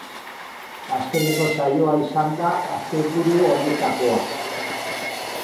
Azkeneko saioa izan da asteburu honetakoa.